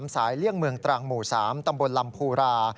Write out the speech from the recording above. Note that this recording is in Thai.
เลี่ยงเมืองตรังหมู่๓ตำบลลำภูรา